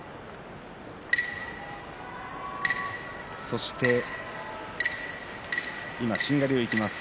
そして、しんがりをいきます